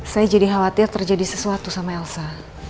saya jadi khawatir terjadi sesuatu sama elsa